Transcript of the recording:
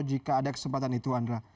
jika ada kesempatan itu andra